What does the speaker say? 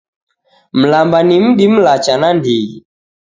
Mlamba ni mdi mlacha nandighi